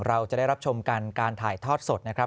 เราจะได้รับชมกันการถ่ายทอดสดนะครับ